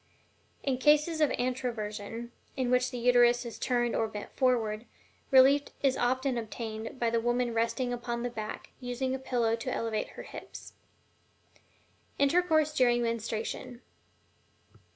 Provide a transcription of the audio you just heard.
In cases of ANTROVERSION, in which the Uterus is turned or bent forward, relief is often obtained by the woman resting upon the back, using a pillow to elevate her hips. INTERCOURSE DURING MENSTRUATION.